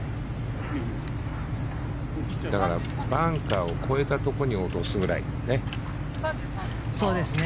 だからバンカーを越えたところに落とすぐらい。